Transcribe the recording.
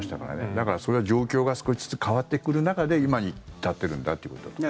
だから、それは状況が少しずつ変わってくる中で今に至ってるんだっていうことだと思います。